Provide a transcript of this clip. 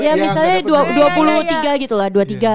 ya misalnya dua puluh tiga gitu lah dua puluh tiga